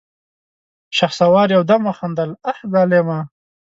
شهسوار يودم وخندل: اه ظالمه!